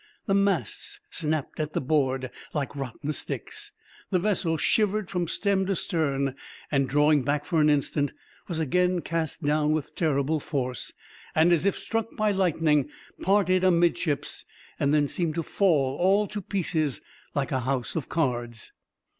The masts snapped at the board, like rotten sticks. The vessel shivered from stem to stern and, drawing back for an instant, was again cast down with terrible force; and, as if struck by lightning, parted amidships, and then seemed to fall all to pieces, like a house of cards.